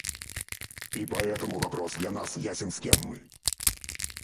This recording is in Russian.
И поэтому вопрос для нас ясен: с кем мы?